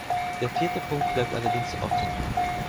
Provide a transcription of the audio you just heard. Der vierte Punkt bleibt allerdings offen.